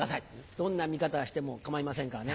どんな見方しても構いませんからね